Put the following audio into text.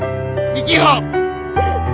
生きよう！